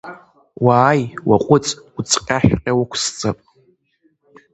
Уааи уаҟәыҵ, уцҟьашәҟьа уқәысҵап!